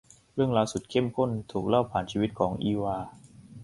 เรื่องราวสุดเข้มข้นถูกเล่าผ่านชีวิตของ อีวา